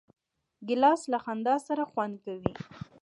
ګیلاس له خندا سره خوند کوي.